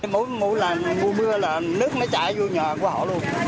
mùa mưa là nước nó chạy vô nhà của họ luôn